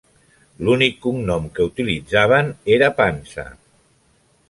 L'únic cognom que utilitzaven era Pansa.